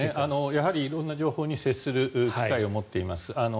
やはり色んな情報に接する機会を持っています。